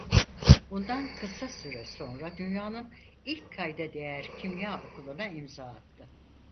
Bundan kısa süre sonra dünyanın ilk kayda değer kimya okuluna imza attı.